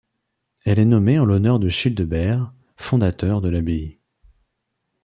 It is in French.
Elle est nommée en l'honneur de Childebert, fondateur de l'abbaye.